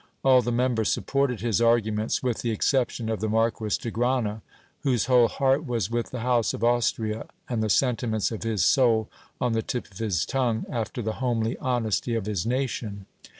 All the members supported his arguments, with the exception of the Marquis de Grana, whose whole heart was with the house of Austria, and the sentiments of his soul on the tip of his tongue, after the homely honesty of his nation.